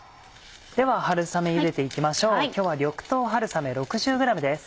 では春雨ゆでて行きましょう今日は緑豆春雨６０ｇです。